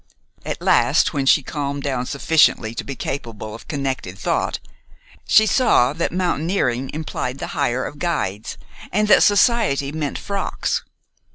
At last, when she calmed down sufficiently to be capable of connected thought, she saw that "mountaineering" implied the hire of guides, and that "society" meant frocks.